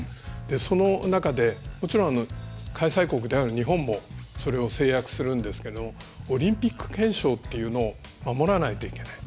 その中で、もちろん開催国である日本もそれを誓約するんですけどオリンピック憲章というのを守らないといけない。